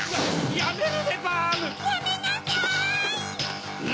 やめなさい！